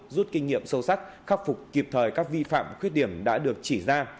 rút kinh nghiệm sâu sắc khắc phục kịp thời các vi phạm khuyết điểm đã được chỉ ra